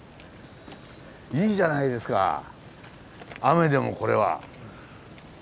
いいじゃないですか雨でもこれは。